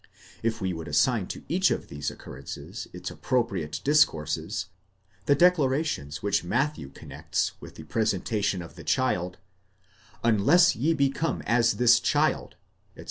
If we would assign to each of these occurrences its appropriate discourses, the declarations which Matthew connects with the presentation of the child: Unless ye become as this child, etc.